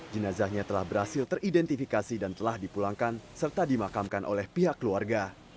jenazahnya telah berhasil teridentifikasi dan telah dipulangkan serta dimakamkan oleh pihak keluarga